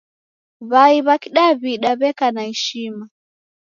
W'ai w'a kidaw'ida w'eka na ishima.